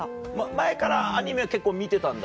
前からアニメは結構見てたんだっけ？